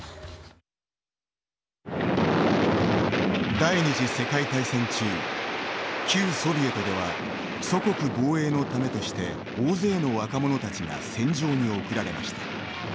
第２次世界大戦中旧ソビエトでは祖国防衛のためとして大勢の若者たちが戦場に送られました。